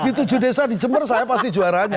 di tujuh desa di jember saya pasti juaranya